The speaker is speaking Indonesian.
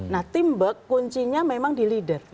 nah teamwork kuncinya memang di leader